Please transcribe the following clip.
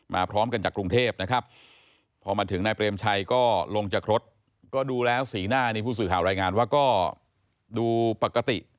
พร้อมกันจากกรุงเทพนะครับพอมาถึงนายเปรมชัยก็ลงจากรถก็ดูแล้วสีหน้านี่ผู้สื่อข่าวรายงานว่าก็ดูปกติ